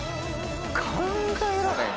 考えられへん。